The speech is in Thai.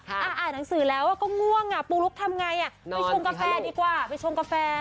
อ่านหนังสือแล้วก็ง่วงอ่ะปูลุกทำไงอ่ะไปชงกาแฟดีกว่าไปชงกาแฟ